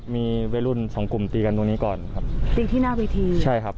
มีวัยรุ่นสองกลุ่มตีกันตรงนี้ก่อนครับตีที่หน้าเวทีใช่ครับ